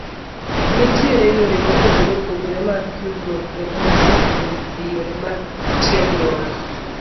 Nitiere yore mopogore opogore mag tudruok kendo mosekonyo e yore mag tiegruok.